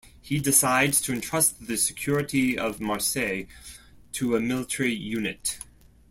He decides to entrust the security of Marseille to a military unit.